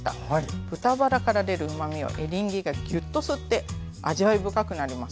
豚バラから出るうまみをエリンギがギュッと吸って味わい深くなります。